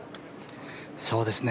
そうですね。